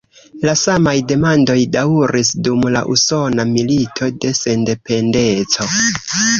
La samaj demandoj daŭris dum la Usona Milito de Sendependeco.